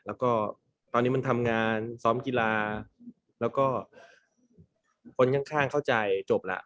แล้วก็ตอนนี้มันทำงานซ้อมกีฬาแล้วก็คนข้างเข้าใจจบแล้ว